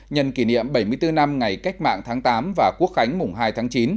nhân kỷ niệm bảy mươi bốn năm ngày cách mạng tháng tám và quốc khánh mùng hai tháng chín